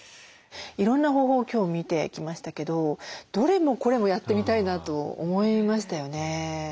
いろんな方法を今日見てきましたけどどれもこれもやってみたいなと思いましたよね。